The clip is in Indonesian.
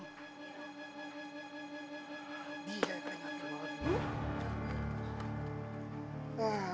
dia yang kering hati banget